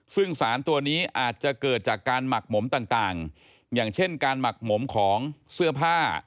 ซึ่งสารตัวนี้อาจจะเกิดจากการหมักหมมต่างอย่างเช่นการหมักหมมของเสื้อผ้า